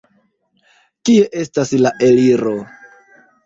Kie estas la eliro?